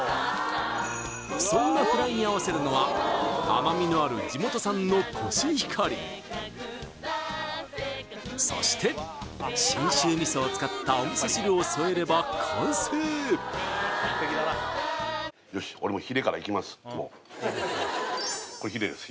そんなフライに合わせるのは甘みのある地元産のコシヒカリそして信州味噌を使ったお味噌汁を添えれば完成よしこれヒレです